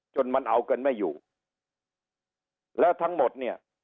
จนมันเอากันไม่อยู่แล้วทั้งหมดเนี่ย